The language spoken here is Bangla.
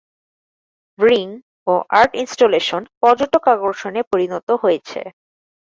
রিং ও আর্ট ইনস্টলেশন পর্যটক আকর্ষণে পরিণত হয়েছে।